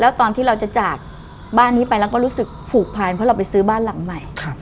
แล้วตอนที่เราจะจากบ้านนี้ไปแล้วก็รู้สึกผูกพันเพราะเราไปซื้อบ้านหลังใหม่